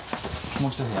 もう一部屋。